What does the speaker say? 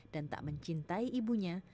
dan tak mencintai ibunya